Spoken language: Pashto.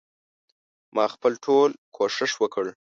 ما خپل ټول کوښښ وکړ.